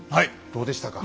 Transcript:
どうでしたか？